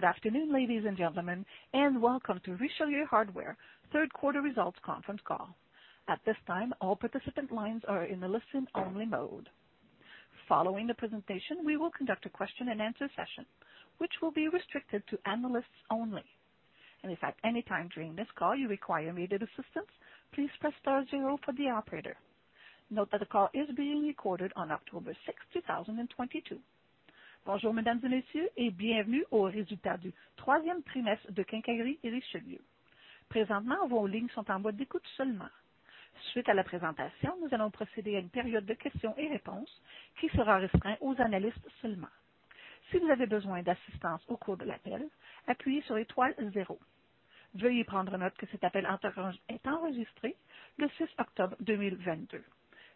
Good afternoon, ladies and gentlemen, and welcome to Richelieu Hardware third quarter results conference call. At this time, all participant lines are in a listen-only mode. Following the presentation, we will conduct a question and answer session, which will be restricted to analysts only. If at any time during this call you require immediate assistance, please press star zero for the operator. Note that the call is being recorded on October 6th, 2022.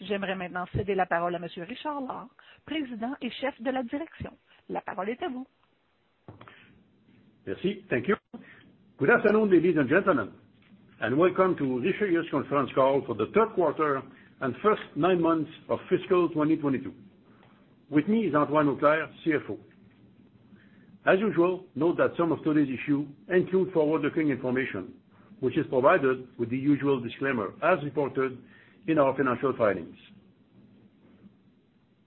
Merci. Thank you. Good afternoon, ladies and gentlemen, and welcome to Richelieu's conference call for the third quarter and first nine months of fiscal 2022. With me is Antoine Auclair, CFO. As usual, note that some of today's issues include forward-looking information, which is provided with the usual disclaimer as reported in our financial filings.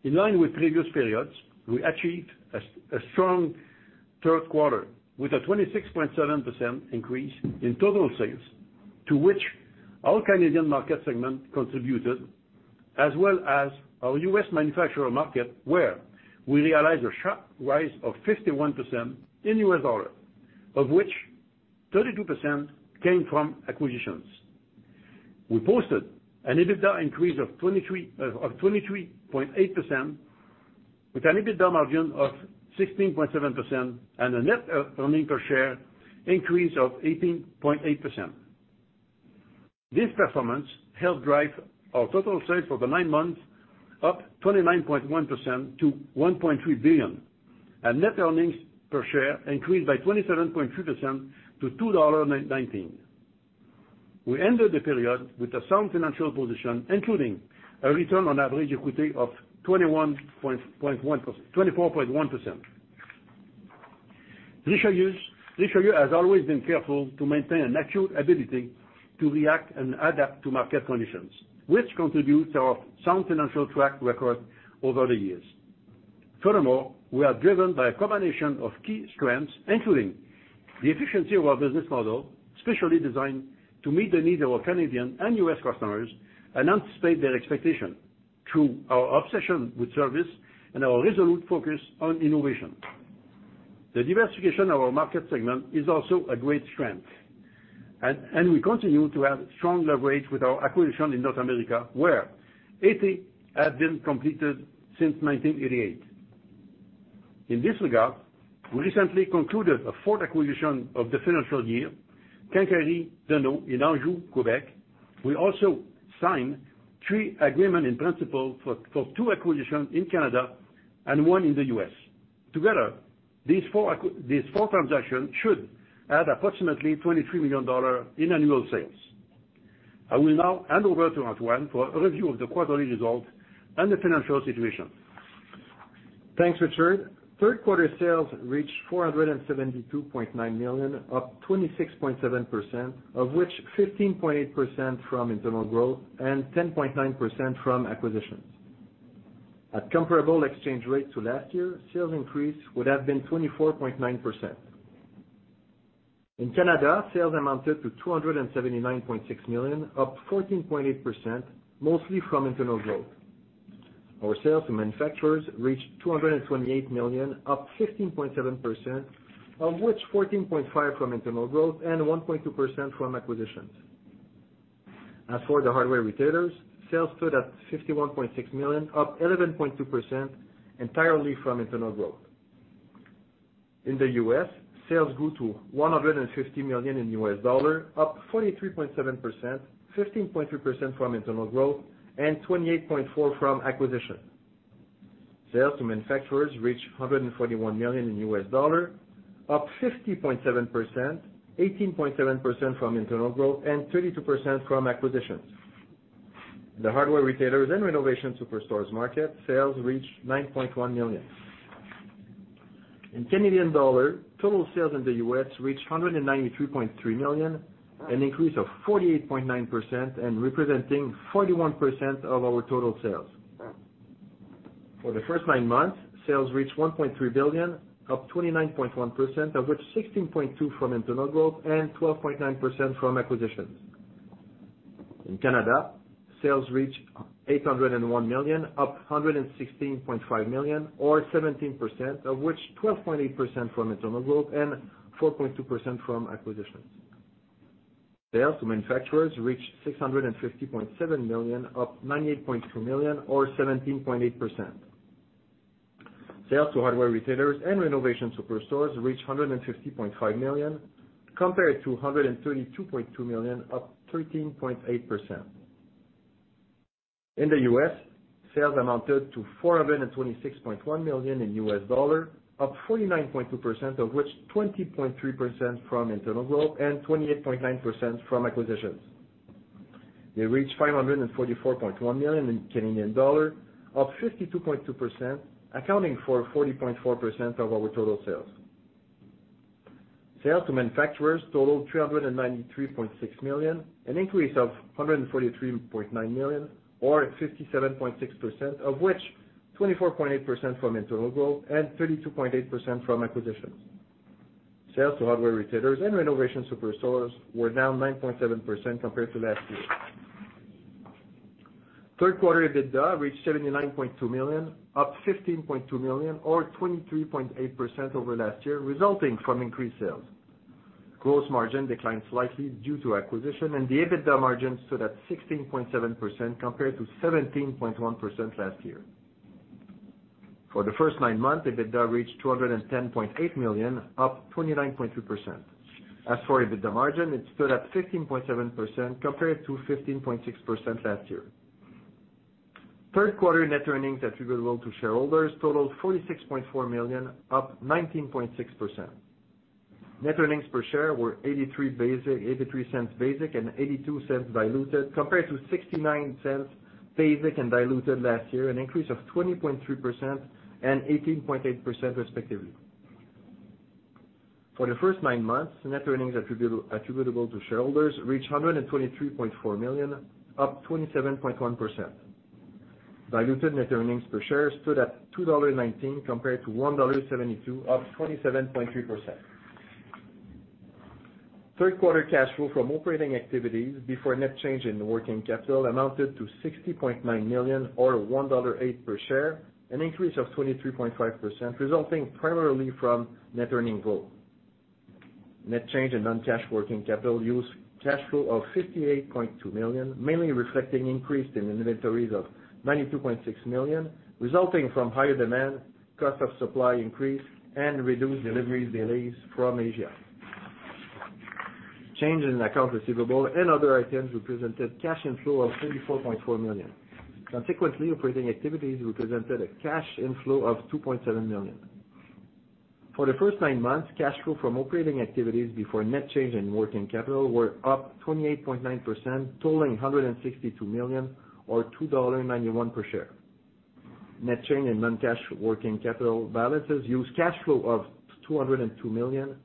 In line with previous periods, we achieved a strong third quarter with a 26.7% increase in total sales to which our Canadian market segment contributed, as well as our U.S. manufacturer market, where we realized a sharp rise of 51% in U.S. dollar, of which 32% came from acquisitions. We posted an EBITDA increase of 23.8% with an EBITDA margin of 16.7% and a net earnings per share increase of 18.8%. This performance helped drive our total sales for the nine months up 29.1% to 1.3 billion. Net earnings per share increased by 27.2% to 2.19 dollar. We ended the period with a sound financial position, including a return on average equity of 24.1%. Richelieu has always been careful to maintain an actual ability to react and adapt to market conditions, which contributes to our sound financial track record over the years. Furthermore, we are driven by a combination of key strengths, including the efficiency of our business model, specially designed to meet the needs of our Canadian and U.S. customers and anticipate their expectation through our obsession with service and our resolute focus on innovation. The diversification of our market segment is also a great strength. We continue to have strong leverage with our acquisitions in North America, where 80 have been completed since 1988. In this regard, we recently concluded a fourth acquisition of the fiscal year, Quincaillerie Deno in Anjou, Quebec. We also signed three agreements in principle for two acquisitions in Canada and one in the U.S. Together, these four transactions should add approximately 23 million dollars in annual sales. I will now hand over to Antoine for a review of the quarterly results and the financial situation. Thanks, Richard. Third quarter sales reached 472.9 million, up 26.7%, of which 15.8% from internal growth and 10.9% from acquisitions. At comparable exchange rates to last year, sales increase would have been 24.9%. In Canada, sales amounted to 279.6 million, up 14.8%, mostly from internal growth. Our sales to manufacturers reached 228 million, up 15.7%, of which 14.5% from internal growth and 1.2% from acquisitions. As for the hardware retailers, sales stood at 51.6 million, up 11.2%, entirely from internal growth. In the U.S., sales grew to $150 million in U.S. dollars, up 43.7%, 15.2% from internal growth and 28.4% from acquisition. Sales to manufacturers reached $141 million in U.S. dollars, up 50.7%, 18.7% from internal growth and 32% from acquisitions. The hardware retailers and renovation superstores market sales reached $9.1 million. In Canadian dollars, total sales in the U.S. reached 193.3 million, an increase of 48.9% and representing 41% of our total sales. For the first 9 months, sales reached 1.3 billion, up 29.1%, of which 16.2% from internal growth and 12.9% from acquisitions. In Canada, sales reached 801 million, up 116.5 million or 17%, of which 12.8% from internal growth and 4.2% from acquisitions. Sales to manufacturers reached 650.7 million, up 98.2 million or 17.8%. Sales to hardware retailers and renovation superstores reached 150.5 million compared to 132.2 million, up 13.8%. In the U.S., sales amounted to $426.1 million, up 49.2%, of which 20.3% from internal growth and 28.9% from acquisitions. They reached CAD 544.1 million, up 52.2%, accounting for 40.4% of our total sales. Sales to manufacturers totaled 393.6 million, an increase of 143.9 million, or 57.6% of which 24.8% from internal growth and 32.8% from acquisitions. Sales to hardware retailers and renovation superstores were down 9.7% compared to last year. Third quarter EBITDA reached 79.2 million, up 15.2 million or 23.8% over last year resulting from increased sales. Gross margin declined slightly due to acquisition and the EBITDA margin stood at 16.7% compared to 17.1% last year. For the first nine months, EBITDA reached 210.8 million, up 29.2%. As for EBITDA margin, it stood at 15.7% compared to 15.6% last year. Third quarter net earnings attributable to shareholders totaled 46.4 million, up 19.6%. Net earnings per share were 0.83 basic and 0.82 diluted compared to 0.69 basic and diluted last year, an increase of 20.3% and 18.8% respectively. For the first nine months, net earnings attributable to shareholders reached 123.4 million, up 27.1%. Diluted net earnings per share stood at 2.19 dollar compared to 1.72 dollar, up 27.3%. Third quarter cash flow from operating activities before net change in working capital amounted to 60.9 million or 1.08 dollar per share, an increase of 23.5%, resulting primarily from net earnings growth. Net change in non-cash working capital used cash flow of 58.2 million, mainly reflecting increase in inventories of 92.6 million, resulting from higher demand, cost of supply increase, and reduced delivery delays from Asia. Change in accounts receivable and other items represented cash inflow of 24.4 million. Consequently, operating activities represented a cash inflow of 2.7 million. For the first nine months, cash flow from operating activities before net change in working capital were up 28.9% totaling 162 million or 2.91 dollar per share. Net change in non-cash working capital balances used cash flow of 202 million,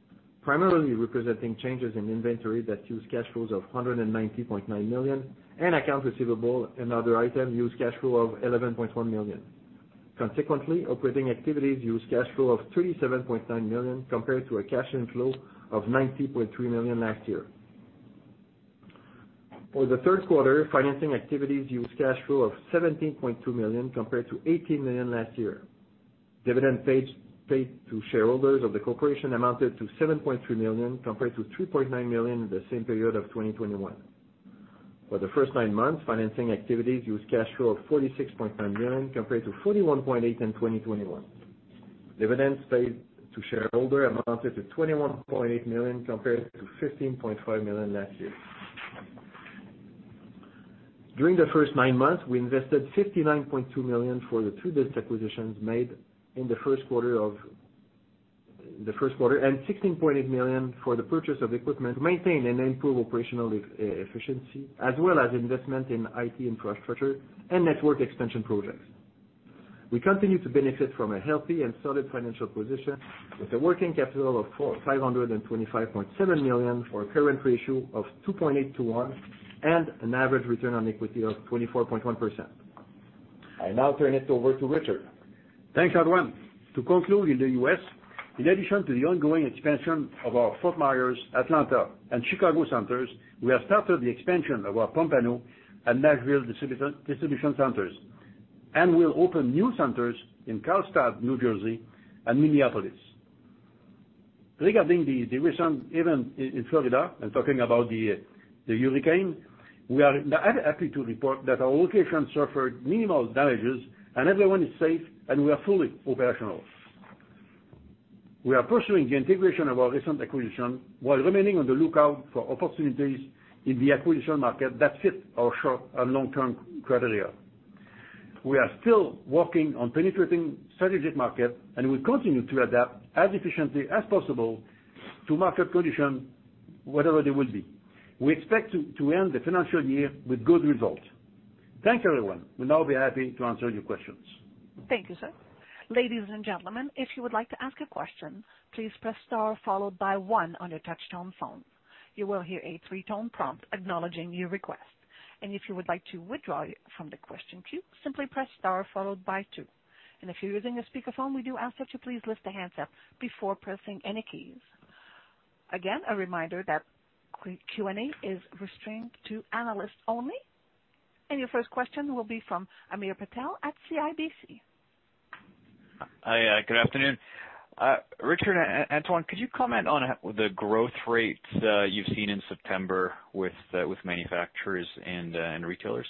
primarily representing changes in inventory that use cash flows of 190.9 million, and accounts receivable and other items use cash flow of 11.1 million. Consequently, operating activities used cash flow of 37.9 million compared to a cash inflow of 90.3 million last year. For the third quarter, financing activities used cash flow of CAD 17.2 million compared to CAD 18 million last year. Dividends paid to shareholders of the corporation amounted to CAD 7.3 million compared to CAD 3.9 million in the same period of 2021. For the first nine months, financing activities used cash flow of 46.9 million compared to 41.8 million in 2021. Dividends paid to shareholder amounted to 21.8 million compared to 15.5 million last year. During the first nine months, we invested 59.2 million for the two distributor acquisitions made in the first quarter and 16.8 million for the purchase of equipment to maintain and improve operational efficiency as well as investment in IT infrastructure and network expansion projects. We continue to benefit from a healthy and solid financial position with a working capital of 525.7 million for a current ratio of 2.8 to 1 and an average return on equity of 24.1%. I now turn it over to Richard. Thanks, Antoine. To conclude in the U.S., in addition to the ongoing expansion of our Fort Myers, Atlanta, and Chicago centers, we have started the expansion of our Pompano and Nashville distribution centers, and we'll open new centers in Carlstadt, New Jersey and Minneapolis. Regarding the recent event in Florida, I'm talking about the hurricane. We are happy to report that our location suffered minimal damages and everyone is safe, and we are fully operational. We are pursuing the integration of our recent acquisition while remaining on the lookout for opportunities in the acquisition market that fit our short and long-term criteria. We are still working on penetrating strategic market, and we continue to adapt as efficiently as possible to market condition, whatever they will be. We expect to end the financial year with good results. Thanks, everyone. We'll now be happy to answer your questions. Thank you, sir. Ladies and gentlemen, if you would like to ask a question, please press star followed by one on your touchtone phone. You will hear a three-tone prompt acknowledging your request. If you would like to withdraw from the question queue, simply press star followed by two. If you're using a speakerphone, we do ask that you please lift the handset before pressing any keys. Again, a reminder that Q&A is restricted to analysts only. Your first question will be from Hamir Patel at CIBC. Hi, good afternoon. Richard and Antoine, could you comment on the growth rates you've seen in September with manufacturers and retailers?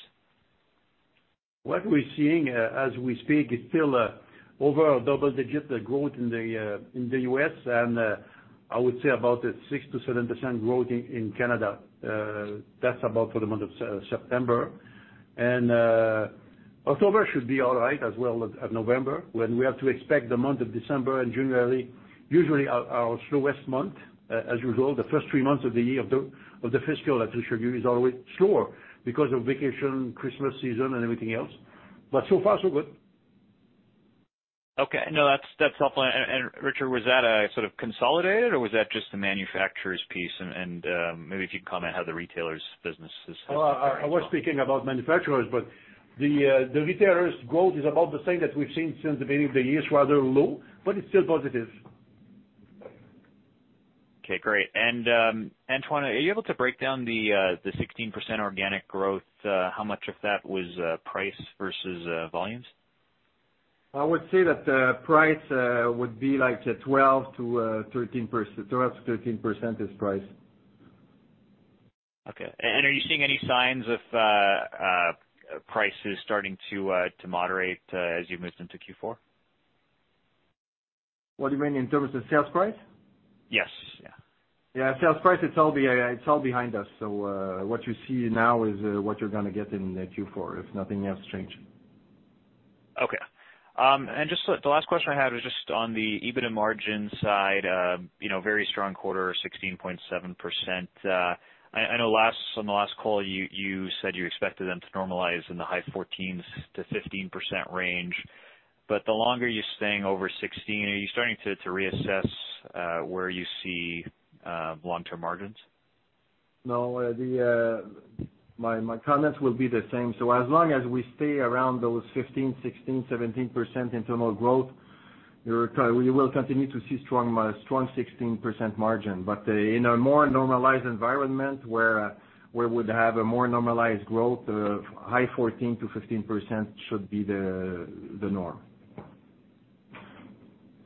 What we're seeing, as we speak, is still over a double-digit growth in the U.S. and I would say about a 6%-7% growth in Canada. That's about for the month of September. October should be all right as well as November, when we have to expect the month of December and January usually are our slowest month. As usual, the first three months of the year of the fiscal that we show you is always slower because of vacation, Christmas season, and everything else. So far, so good. Okay. No, that's helpful. Richard, was that sort of consolidated, or was that just the manufacturer's piece? Maybe if you'd comment how the retailer's business is operating as well. I was speaking about manufacturers, but the retailer's growth is about the same that we've seen since the beginning of the year. It's rather low, but it's still positive. Okay, great. Antoine, are you able to break down the 16% organic growth? How much of that was price versus volumes? I would say that the price would be like 12%-13%. 12%-13% is price. Okay. Are you seeing any signs of prices starting to moderate as you've moved into Q4? What do you mean? In terms of sales price? Yes. Yeah. Yeah. Sales price, it's all behind us. What you see now is what you're gonna get in Q4, if nothing else change. Okay. Just the last question I had was just on the EBITDA margin side. You know, very strong quarter, 16.7%. I know on the last call, you said you expected them to normalize in the high 14s-15% range. The longer you're staying over 16%, are you starting to reassess where you see long-term margins? No. My comments will be the same. As long as we stay around those 15%, 16%, 17% internal growth, we will continue to see strong 16% margin. In a more normalized environment where we'd have a more normalized growth of high 14%-15% should be the norm.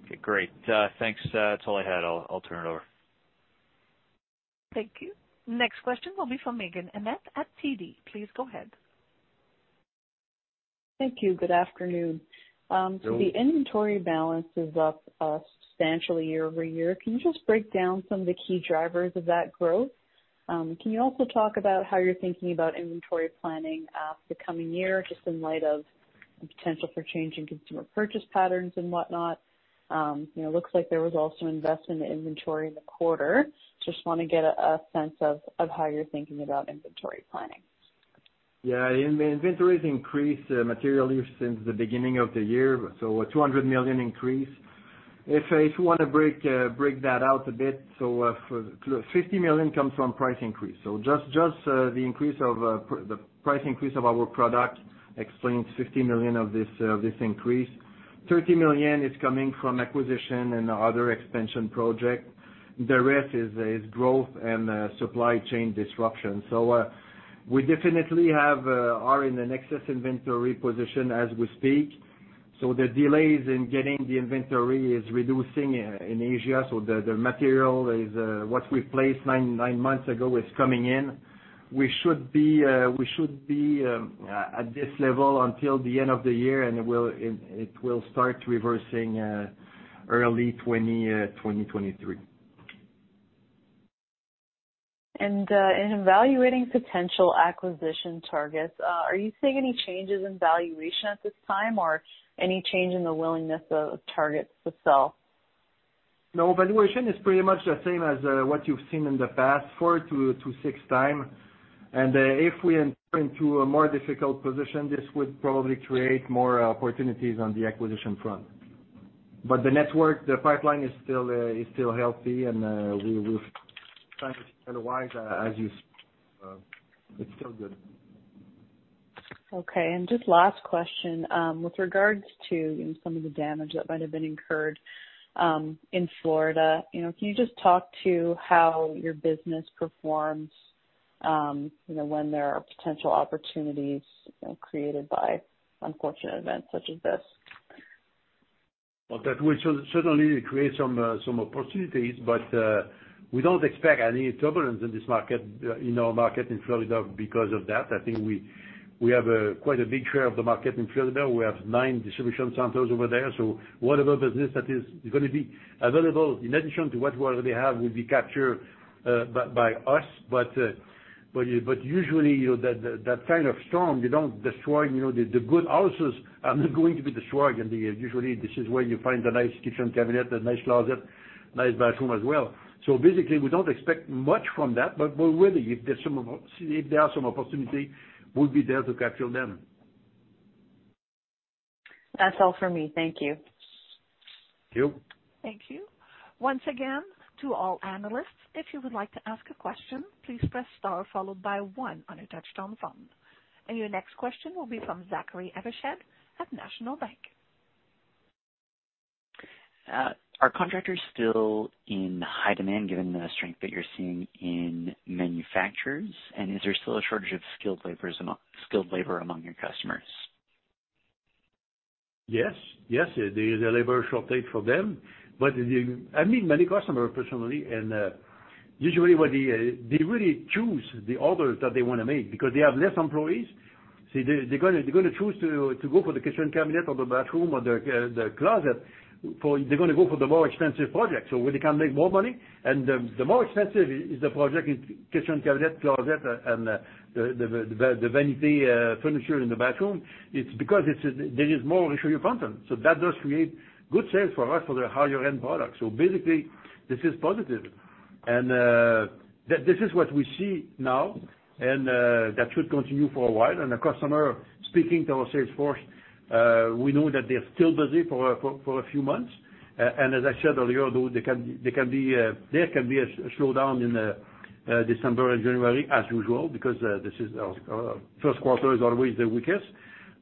Okay, great. Thanks. That's all I had. I'll turn it over. Thank you. Next question will be from Meaghen Annett at TD. Please go ahead. Thank you. Good afternoon. Good afternoon. The inventory balance is up substantially year-over-year. Can you just break down some of the key drivers of that growth? Can you also talk about how you're thinking about inventory planning the coming year, just in light of the potential for change in consumer purchase patterns and whatnot? You know, looks like there was also investment in inventory in the quarter. Just wanna get a sense of how you're thinking about inventory planning. Yeah. Inventory has increased materially since the beginning of the year, 200 million increase. If you wanna break that out a bit, fifty million comes from price increase. Just the increase of the price increase of our product explains 50 million of this increase. 30 million is coming from acquisition and other expansion project. The rest is growth and supply chain disruption. We definitely are in an excess inventory position as we speak. The delays in getting the inventory is reducing in Asia, the material is what we placed nine months ago is coming in. We should be at this level until the end of the year, and it will start reversing early 2023. In evaluating potential acquisition targets, are you seeing any changes in valuation at this time, or any change in the willingness of targets to sell? No. Valuation is pretty much the same as what you've seen in the past, 4x-6x. If we enter into a more difficult position, this would probably create more opportunities on the acquisition front. The network, the pipeline is still healthy, and we will otherwise. It's still good. Okay. Just last question. With regards to, you know, some of the damage that might have been incurred in Florida, you know, can you just talk to how your business performs, you know, when there are potential opportunities, you know, created by unfortunate events such as this? Well, that will certainly create some opportunities, but we don't expect any turbulence in this market in our market in Florida because of that. I think we have quite a big share of the market in Florida. We have nine distribution centers over there. Whatever business that is gonna be available in addition to what we already have will be captured by us. Usually, you know, that kind of storm, you don't destroy. You know, the good houses are not going to be destroyed. Usually, this is where you find a nice kitchen cabinet, a nice closet, nice bathroom as well. Basically, we don't expect much from that, but we're ready. If there are some opportunity, we'll be there to capture them. That's all for me. Thank you. Thank you. Thank you. Once again, to all analysts, if you would like to ask a question, please press star followed by one on your touchtone phone. Your next question will be from Zachary Evershed at National Bank. Are contractors still in high demand given the strength that you're seeing in manufacturers? Is there still a shortage of skilled labor among your customers? Yes. There is a labor shortage for them. I meet many customers personally. Usually what they really choose the orders that they wanna make because they have less employees. See, they're gonna choose to go for the kitchen cabinet or the bathroom or the closet they're gonna go for the more expensive project, so where they can make more money. The more expensive is the project kitchen cabinet, closet, and the vanity furniture in the bathroom. It's because there is more Richelieu content. That does create good sales for us for the higher end products. Basically this is positive and this is what we see now and that should continue for a while. The customer speaking to our sales force, we know that they're still busy for a few months. As I said earlier, though, they can be a slowdown in December and January as usual because this is our first quarter is always the weakest.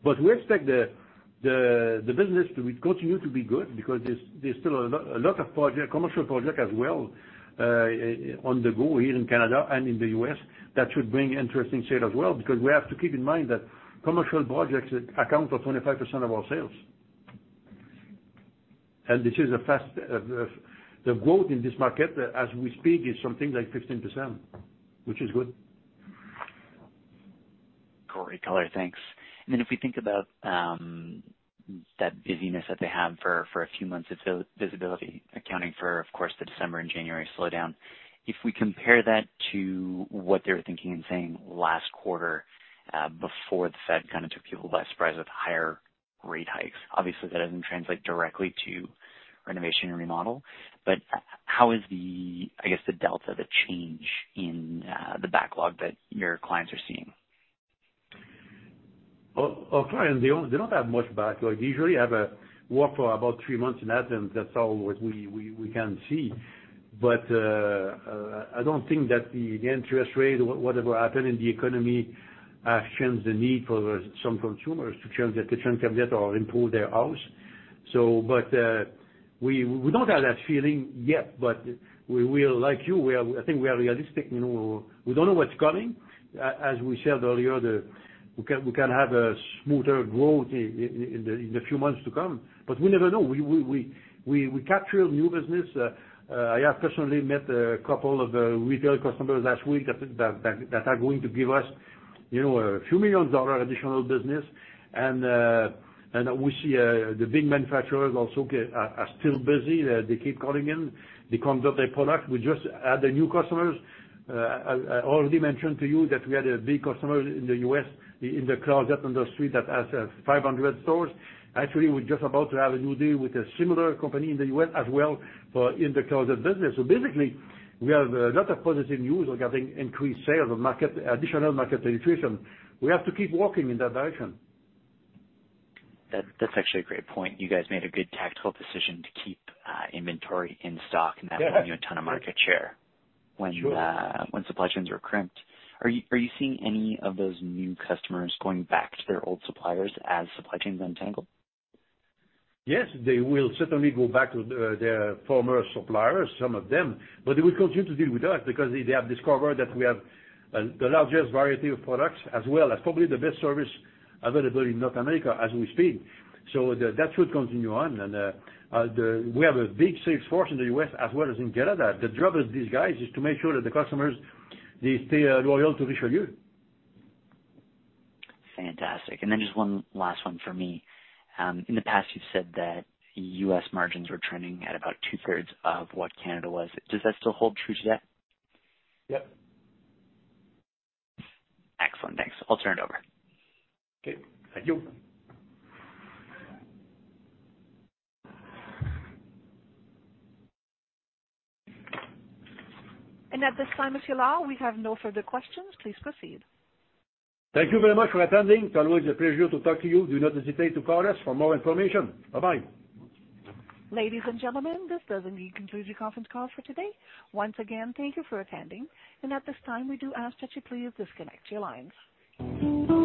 We expect the business to continue to be good because there's still a lot of commercial projects as well on the go here in Canada and in the U.S. that should bring interesting sales as well because we have to keep in mind that commercial projects account for 25% of our sales. This is fast, the growth in this market as we speak is something like 15%, which is good. Great color. Thanks. If we think about that busyness that they have for a few months of sales visibility, accounting for, of course, the December and January slowdown. If we compare that to what they were thinking and saying last quarter before the Fed kind of took people by surprise with higher rate hikes. Obviously, that doesn't translate directly to renovation and remodel. How is the, I guess, the delta, the change in the backlog that your clients are seeing? Our clients, they don't have much backlog. They usually have work for about three months in advance. That's all what we can see. I don't think that the interest rate or whatever happened in the economy has changed the need for some consumers to change their kitchen cabinet or improve their house. We don't have that feeling yet, but we will. Like you, I think we are realistic. You know, we don't know what's coming. As we said earlier, we can have a smoother growth in a few months to come, but we never know. We capture new business. I have personally met a couple of retail customers last week that are going to give us, you know, a few million-dollar additional business. We see the big manufacturers also are still busy. They keep calling in. They come with their product. We just add the new customers. I already mentioned to you that we had a big customer in the U.S. in the closet industry that has 500 stores. Actually, we're just about to have a new deal with a similar company in the U.S. as well in the closet business. Basically we have a lot of positive news regarding increased sales and additional market penetration. We have to keep walking in that direction. That's actually a great point. You guys made a good tactical decision to keep inventory in stock. Yeah. That won you a ton of market share. Sure. When supply chains were crimped. Are you seeing any of those new customers going back to their old suppliers as supply chains untangle? Yes. They will certainly go back to their former suppliers, some of them. They will continue to deal with us because they have discovered that we have the largest variety of products as well as probably the best service available in North America as we speak. That should continue on. We have a big sales force in the U.S. as well as in Canada. The job of these guys is to make sure that the customers they stay loyal to Richelieu. Fantastic. Just one last one for me. In the past you've said that U.S. margins were trending at about two-thirds of what Canada was. Does that still hold true today? Yep. Excellent. Thanks. I'll turn it over. Okay. Thank you. At this time, if you allow, we have no further questions. Please proceed. Thank you very much for attending. It's always a pleasure to talk to you. Do not hesitate to call us for more information. Bye-bye. Ladies and gentlemen, this does indeed conclude your conference call for today. Once again, thank you for attending. At this time, we do ask that you please disconnect your lines.